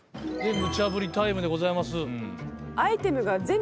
ムチャぶりタイムでございます。